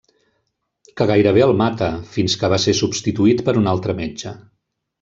Que gairebé el mata, fins que va ser substituït per un altre metge.